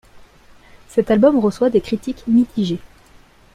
Cet album reçoit des critiques mitigées.